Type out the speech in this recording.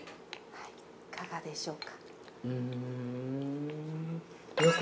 ◆いかがでしょうか。